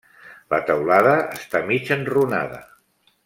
La teulada està mig enrunada.